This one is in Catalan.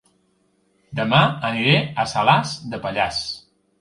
Dema aniré a Salàs de Pallars